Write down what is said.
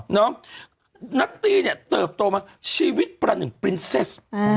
นัตตี้เนี่ยเติบโตมาชีวิตประหนึ่งปรินเซส